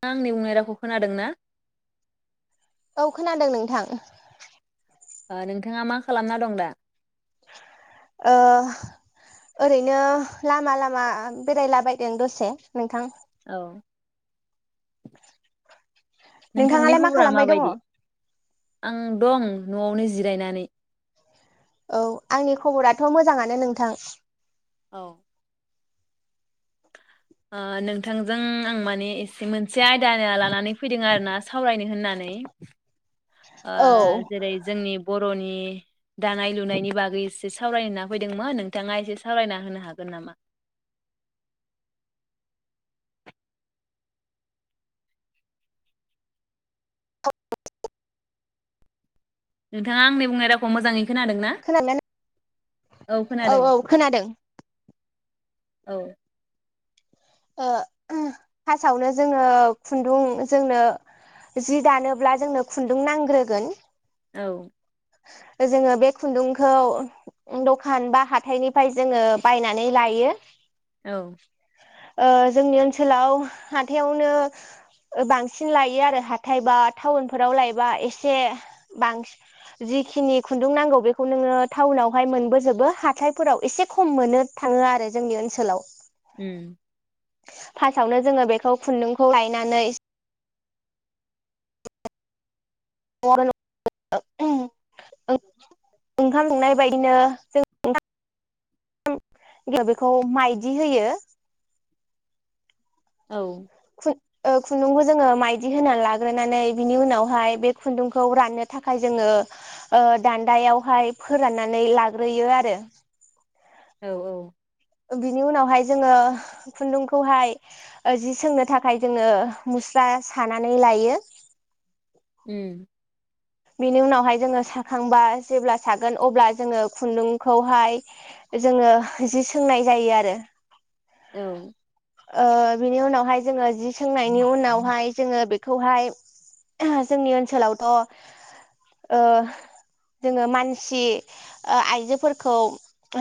थांङा आंनि बुंनायरावखौ खोनादों ना? औ खोनादों नोंथां आं नोंथांङा मा खालामना दं दा ओ ओरैनो लामा लामा बेरायलाबायदों दसे नोंथां औ नोंथांनि नोंथांङालाय मा खबरा खालामबाय दङ? माबायदि आं दं न'आवनो जिरायनानै औ आंनि खबराथ' मोजांङानो नोंथां। औ ओ नोंथांजों आं माने एसे मोनसे आयदा लानानै फैदों आरोना सावरायनो होननानै। ओ औ जेरै जोंनि बर'नि नि दानाय लुनायनि बागै इसे सावरायनो होनना फैदोंमोन नोंथाङा इसे सावरायना होनो हागोन नामा? नोंथांङा आंनि बुंनाय रावखौ मोजाङै खोनादों ना खोनादो नो औ औ खोनादों। औ ओ फासावनो जोङो खुन्दुं जोंनो जि दानोब्ला जोंनो खुन्दुं नांग्रोगोन। औ जोंङो बे खुन्दुंखौ दखान बा हाथायनिफ्राय जोङो बायनानै लायो। औ ओ जोंनि ओनसोलाव हाथायावनो बांसिन ओ लायो आरो हाथायबा टाउनफोराव लायोबा इसे बांसि जिखिनि खुन्दुं नांगौ बेखौ नोङो टाउनावहाय मोनबोजोबो हाथायफोराव इसे खम मोननो थाङो आरो जोंनि ओनसोलाव। उम फासावनो जोङो बेखौ खुन्दुंखौ लायनानै [unintelligible] बेखौ माइदि होयो। औ ओ खुन्दुंखौ जोङो माइदि होना लाग्रोनानै बिनि उनावहाय बे खुन्दुंखौ राननो थाखाय जोङो ओ दान्दायावहाय फोराननानै लाग्रोयो आरो औ औ बिनि उनावहाय जोङो खुन्दुंखौहाय ओ जि सोंनो थाखाय जोंङो मुस्रा सानानै लायो। उम बिनि उनावहाय जोङो साखांबा जेब्ला सागोन अब्ला जोंङो खुन्दुंखौहाय जोंङो जि सोंनाय जायो आरो औ ओ बिनि उनावहाय जोंङो जि सोंनायनि उनावहाय जोंङो बेख खौहाय जोंनि ओनसोलावथ ओ जोङो मानसि ओ आइजोफोरखौ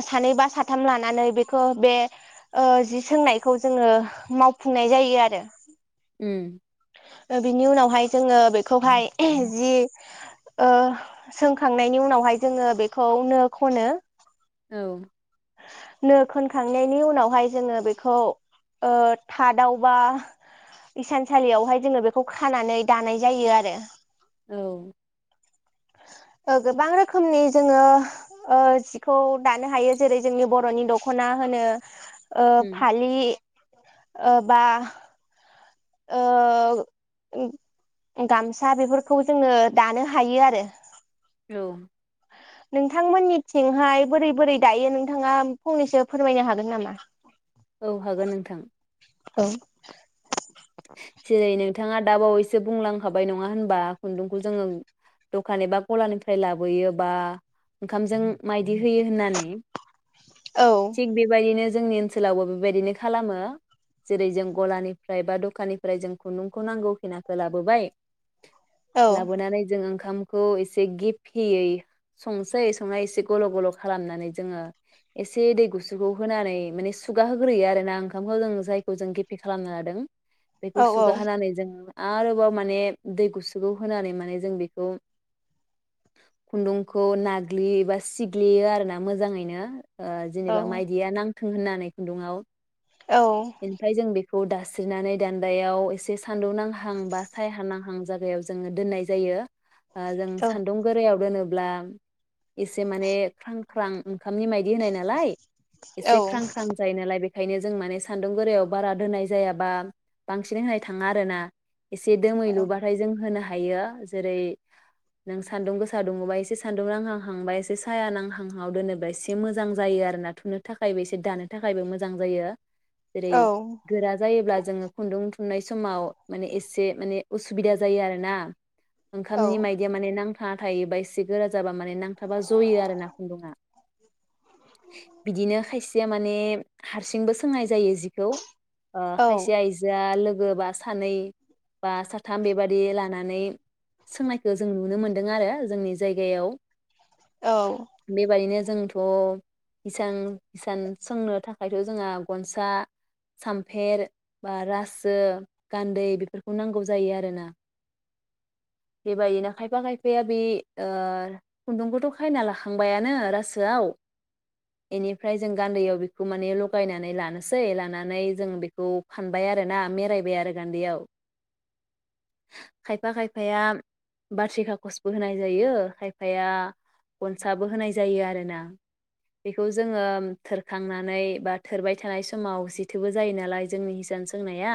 सानै बा साथाम लानानै बेखौ बे ओ जि सोंनाय खौ जोङो मावफुंनाय जायो आरो उम ओ बिनि उनावहाय जोङो बेखौहाय जि ओ सोंखांनायनि उनावहाय जोङो बेखौ नो खनो। औ नो खोनखांनायनि उनावहाय जोङो बेखौ ओ थादाव बा इसानसालियावहाय जोङो बेखौ खानानै दानाय जायो आरो औ ओ गोबां रोखोमनि जोङो ओ जिखौ दानो हायो। जेरै जोंनि बरनि दखना होनो। ओ उम फालि। ओ बा ओ गामसा बेफोरखौ जोङो दानो हायो आरो औ नोंथांमोननिथिंहाय बोरै बोरै दायो नोंथाङा फंनैसो फोरमायनो हागोन नामा? औ हागोन नोंथां। औ जेरै नो बिथाङा दा बावैसो बुंलांखाबाय नङा होनबा खुन्दुंखौ जोङो दखान एबा गलानिफ्राय लाबोयो बा ओंखामजों माइ [unintelligible] होयो होननानै औ थिग बेबायदिनो जोंनि ओनसोलावबो बेबायदिनो खालामो जेरै जों गलानिफ्राय बा दखाननि ओमफ्राय जों खुन्दुंखौ नांगौ खिनाखौ लाबोबाय औ लाबोनानै जों ओं खामखौ एसे गेफेयै संसै संनाय एसे गल गल खालामनानै जोङो एसे दै गुसुखौ होनानै माने सुगा होग्रोयो आरो ना ओंखामखौ जों जायखौ जों गेफे खालामना लादों। औ बेखौ औ सुगाहोनानै जोङो आरोबाव माने दै गुसुखौ होनानै माने जों बेखौ खुन्दुंखौ नाग्लियो एबा सिग्लियो आरोना मोजाङैनो। ओ औ जेनेबा माइदिया नां थों होननानै खुन्दुंआव। औ ओमफ्राय जों बे खौ दास्रिनानै दान्दायाव एसे सानदुंनांहां बा सायहानांहां जागायाव जोङो दोन्नाय जायो। आ जों औ सान्दुं गोरायाव दोनो ब्ला एसे माने ख्रां ख्रां ओंखामनि माइ दि होनाय नालाय औ एसे ख्रां ख्रां जायो नालाय बे ओंखायनो जों माने सान्दुं गोरायाव बारा दोनाय जायाबा बांसिनै होनाय थाङा आरो ना। एसे दोमै लुबाथाय जों होनो हा हायो जेरै नों सान्दुं गोसा दुङोबा एसे सान्दुं नांहांहांबा एसे साया नांहांहांआव दोनोबा एसे मोजां जायो आरो ना थुनो थाखायबो एसे दानो थाखायबो मोजां जायो। जेरै औ गोरा जायोब्ला जोङो [unintelligible] थुननाय समाव माने एसे माने उसुबिदा जायो आरोना। ओंखामनि मायदिया माने नां हा थायोबा इसे गोरा जाबा माने नांथाबा जयो आरो ना खुन्दुङा। बिदिनो खायसेया माने हारसिंबो सोंनाय जायो जिखौ ओ औ खायसे आइजो आ लोगो बा सानै बा साथाम बेबादि लानानै सोंनायखौ जों नुनो मोनदों आरो जोंनि जायगायाव। बे बादिनो जोंथ' इसां ईसान सोंनो थाखायथ' जोंहा गनसा सामफेर बा रासो गान्दै बेफोरखौ नांगौ जायो आरोना बेबायदिनो खायफा खायफाया बे ओ खुन्दुंखौथ खायना लाखांबायानो रासोआव बेनिफ्राय जों गान्दैयाव बेखौ माने लगायनानै लानोसै लानानै जों बेखौ फानबाय आरोना मेरायबाय आरो गान्दैयाव खायफा खायफाया बारथिखाखसबो होनाय जायो खायफाया गनसाबो होनाय जायो आरो ना बेखौ जोङो थोरखांनानै बा थोरबाय थानाय समाव जिथोबो जायो नालाय जोंनि हिसान सोंनाया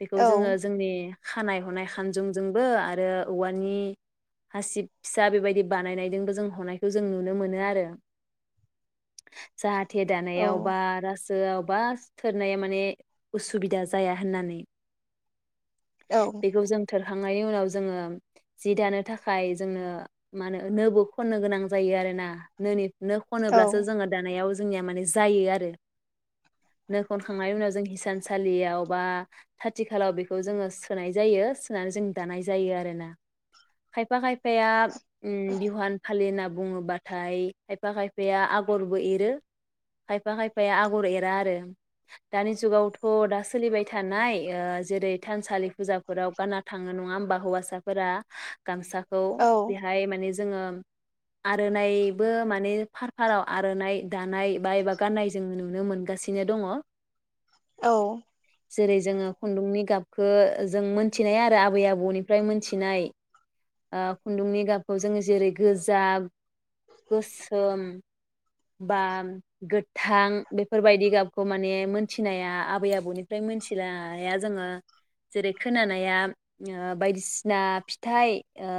बेखौ औ जोङो जोंनि खानाय हनाय खानजुंजोंबो आरो औवानि हासिब फिसा बेबायदि बानायनायजोंबो जों हनायखौ जों नुनो मोनो आरो जाहा थे दानायाव बा रास जोआव बा थोरनाया माने उसुबिदा जाया होननानै बेखौ जोंथोर थांनायनि उनाव जोङो जि दानो थाखाय जोंनो मा होनो नोबो खननो गोनां जायो आरो ना नोनि नो खनोब्लासो जोङो दानायाव जोंनिया माने जायो आरो नो खखांनायनि उनाव जों हिसानसालियाव बा खाथि खालाव बेखौ जोङो सोनाय जायो सोनानै जों दानाय जायो आरोना खायफा खायफ फाया उम बिहवान फालिहोना बुङोबाथाय खायफा खायफाया आगरबो एरो खायफा खायफाया आगर एरा आरो दानि जुगावथ थ दा सोलिबाय थानाय ओ जेरै थानसालि फुजाफोराव गाना थाङो नङा होमबा हौवासाफोरा गामसा औ बेहाय माने जो जोङो आरोनायबो माने फार फाराव आरोनाय दानाय बा एबा गाननाय जों नुनो मोनगासिनो दङ जेरै जोङो खुन्दुंनि गाब खो जों मोन मिथिनाय आरो आबै आबौनिफ्राय मोनथि नाय ओ खुन्दुंनि गाबखौ जोङो जेरै गोजा गोसोम बाम गोथ थां बेफोरबायदि गाबखौ माने मोन थिनाया आबै आबौनिफ्राय मोनथिलाया जोङो जेरै खोनानाया ओ बायदिसिना फिथाइ ओ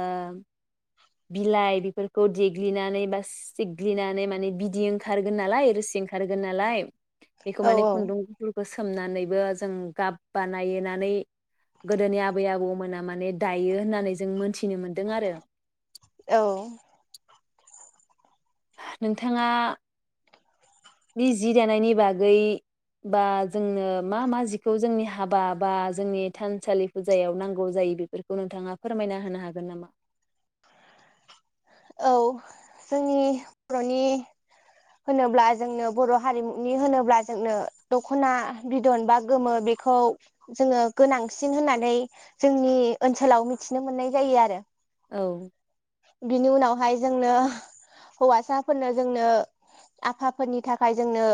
बिलाइ बेफोरखौ देग्लिनानै बा सिग्लिनानै माने बिदै ओंखारगोन नालाय रोसि ओंखारगोन नालाय बेखौ माने औ खुन्दुंफोरखौ सो सोमनानैबो जों गाब बानायनानै गोदोनि आबै आबौमोना माने दायो होननानै जों मोनथिनो मोन्दों आरो औ नोंथाङा नि जि दानायनि बागै बा जोंनो मा मा जिखौ जोंनि हाबा बा जोंनि थानसालि फुजायाव नांगौ जायो बेफोरखौ नोंथाङा फोरमायना होनो हागोन नामा? औ जोंनि बरनि होनोब्ला जोंनो बर हारिमुनि होनोब्ला जोंनो दखना बिदन बा गोमो बेखौ जोङो गोनांसिन होननानै जोंनि ओनसोलाव मिथिनो मोननाय जायो आरो औ बिनि उनावहाय जोंनो हौवासाफोरनो जोंनो आफाफोरनि थाखाय जोंनो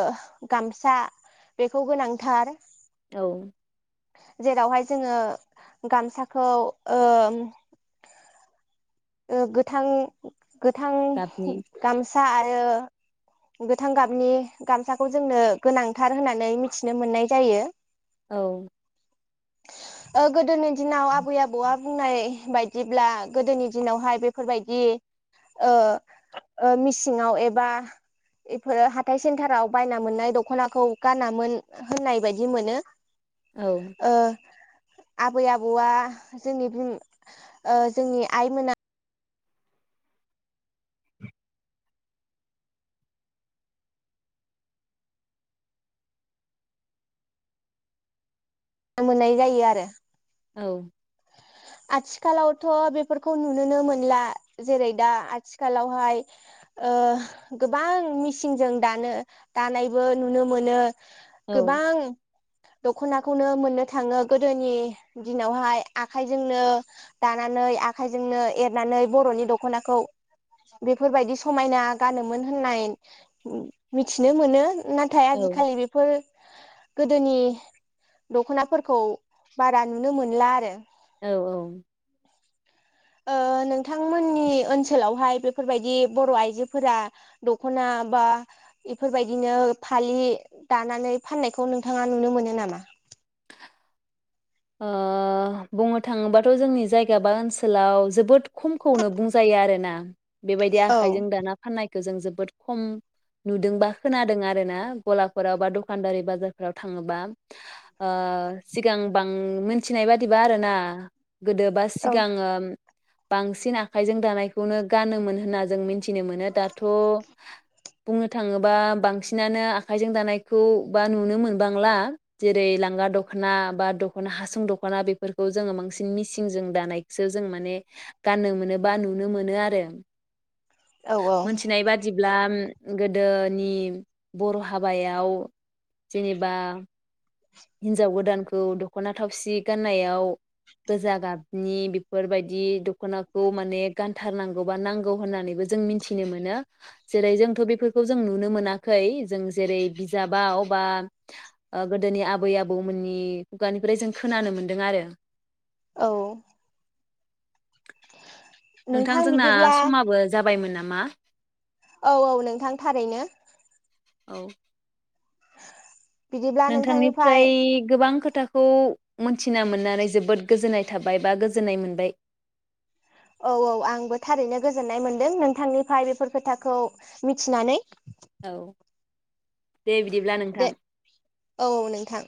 गामसा बेखौ गोनांथार औ जेरावहाय जोङो गामसाखौ ओम ओ गोथां गोथां गाबनि गामसा आरो गोथां गाबनि गामसाखौ जोंनो गोनांथार होननानै मिथिनो मोननाय जायो औ ओ गोदोनि दिनाव आबै आबौआ बुंनाय बायदिब्ला गोदोनि दिनावहाय बेफोरबायदि ओ ओ मिसिङाव एबा एफोर हाथाय सेन्टाराव बायना मोननाय दखनाखौ गानामोन होननाय बायदि मोनो औ ओ आबै आबौआ जोंनि बिम ओ जोंनि आइ मोना ना मोननाय जायो आरो औ आथिखालावथ बेफोरखौ नुनोनो मोनला जेरै दा आथिखालावहाय ओ गोबां मिसिनजों दानो दानायबो नुनो मोनो गोबां दखनाखौनो मोननो थाङो गोदोनि दिनावहाय आखाइजोंनो दानानै आखाइजोंनो एरनानै बरनि दखनाखौ बेफोरबायदि समायना गानोमोन होननाय मिथिनो मोनो नाथाय औ आजिखालि बेफोर गोदोनि दखनाफोरखौ बारा नुनो मोनला आरो औ औ ओ नोंथांमोननि ओनसोलावहाय बेफोरबायदि बर' आइजोफोरा दखना बा इफोरबायदिनो फालि दानानै फाननायखौ नोंथाङा नुनो मोनो नामा ओ बुंनो थाङोबाथ जोंनि जायगा बा ओनसोलाव जोबोद खमखौनो बुंजायो आरो ना बेबायदि औ आखाइजों दाना फाननाय जों जोबोद खम नुदोंबा खोनादों आरोना गलाफोराव बा दखानदारि बाजारफोराव थाङोबा ओ सिगां गोबां मिनथिनाय बादिबा आरोना गोदोबा औ सिगाङो बांसिन आखाइजों दानायखौनो गानोमोन होनना जों मिथिनो मोनो दाथ बुंनो थाङोबा बांसिनानो आखाइजों दानायखौ बा नुनो मोनबांला जेरै लांगा दखना बा द दखना हासुं दखना बेफोरखौ जोङो बांसिन मिसिन जों दानाय सो जों माने गानोम मोन मोनोबा नुनो मोनो आरो। औ औ मोनथिनाय बादि ब्ला गोदोनि बर' हाबायाव जेनेबा हिनजाव गोदानखौ दखना थावसि गाननायाव गोजा गाबनि बेफोरबायदि दखनाखौ माने गानथारनांगौ बा नांगौ होननानैबो जों मिथिनो मोनो जेरै जोंथ बेफोरखौ जों नुनो मोनाखै जों जेरै बिजाबाव बा ओ गोदोनि आबै आबौमोननि खुगानिफ्राय जों खोनानो मोन्दों आरो। औ। नोंथां जोंना समाबो जाबायमोन नाम मा? औ औ नोंथां थारैनो। औ। नोंथांनिफ्राय गोबां खोथ थाखौ मिथिना मोननानै जोबोद गोजोननाय थाबाय बा गोजोननाय मोनबाय। औ औ आंबो थारैनो गोजोननाय मोन दों नोंथांनिफ्राय बेफोर खोथाखौ मिथिनानै। औ। दे बिदिब्ला दे नोंथां औ औ नोंथां।